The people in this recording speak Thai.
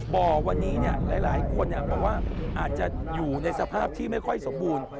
บ่อวันนี้หลายคนบอกว่าอาจจะอยู่ในสภาพที่ไม่ค่อยสมบูรณ์